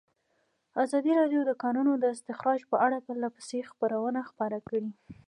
ازادي راډیو د د کانونو استخراج په اړه پرله پسې خبرونه خپاره کړي.